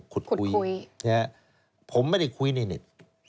ขุดคุยนะครับผมไม่ได้คุยในเน็ต